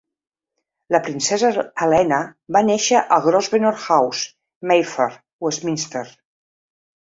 La princesa Helena va néixer a Grosvenor House, Mayfair, Westminster.